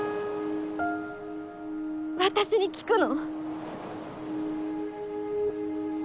私に聞くの？